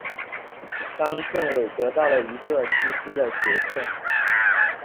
冈政伟得到了一个机师的角色。